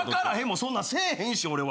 そんなんせえへんし俺は。